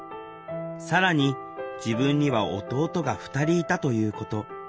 更に自分には弟が２人いたということ。